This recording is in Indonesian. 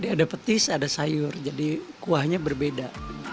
ada petis ada sayur jadi kuahnya berbeda